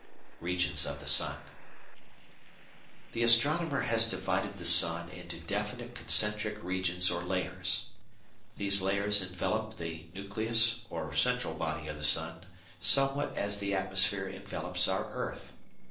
Regions of the Sun The astronomer has divided the sun into definite concentric regions or layers. These layers envelop the nucleus or central body of the sun somewhat as the atmosphere envelops our earth.